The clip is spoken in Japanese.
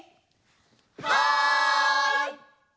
はい！